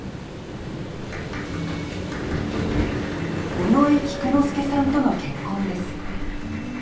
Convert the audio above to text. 尾上菊之助さんとの結婚です。